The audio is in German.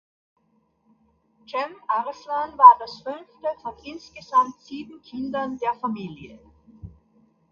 Cem Arslan war das fünfte von insgesamt sieben Kindern der Familie.